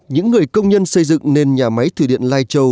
những người công nhân xây dựng nền nhà máy thử điện lai châu